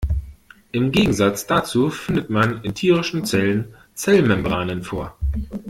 Im Gegensatz dazu findet man in tierischen Zellen Zellmembranen vor.